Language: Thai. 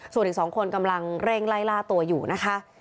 ส่วนอีก๒คนกำลังเร่งไล่ล่าตัวอยู่นะคะ